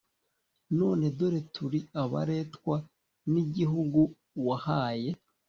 None dore turi abaretwa n igihugu wahaye